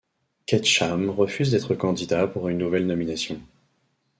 Ketcham refuse d'être candidat pour une nouvelle nomination.